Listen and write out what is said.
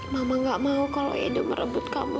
mama gak mau kalau ide merebut kamu